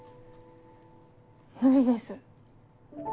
無理です。